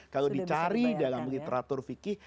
kalau dicari dalam literatur fikih